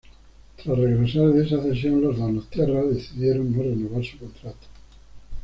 Tras regresar de esa cesión, los donostiarras decidieron no renovar su contrato.